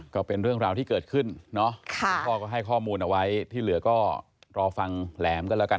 ก็เป็นเรื่องราวที่เกิดขึ้นเนาะคุณพ่อก็ให้ข้อมูลเอาไว้ที่เหลือก็รอฟังแหลมกันแล้วกัน